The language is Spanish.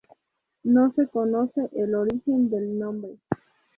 No se conoce el origen del nombre.